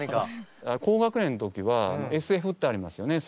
高学年の時はＳＦってありますよね。